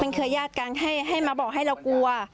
เครือญาติกันให้มาบอกให้เรากลัว